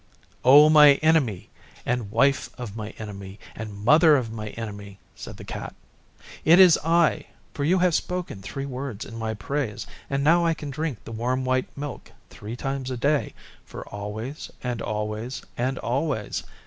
'O my Enemy and Wife of my Enemy and Mother of my Enemy, said the Cat, 'it is I; for you have spoken three words in my praise, and now I can drink the warm white milk three times a day for always and always and always.